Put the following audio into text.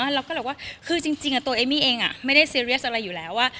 เราก็เลยบอกว่าคือจริงตัวเอมมี่เองไม่ได้ซีเรียสอะไรอยู่แล้วว่า